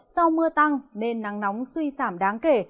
sau mưa tăng nên nắng nóng suy giảm đáng kể